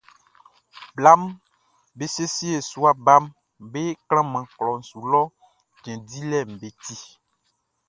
Blaʼm be siesie sua baʼm be klanman klɔʼn su lɔ cɛn dilɛʼm be ti.